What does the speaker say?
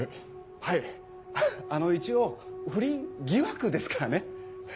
はいあの一応不倫「疑惑」ですからね？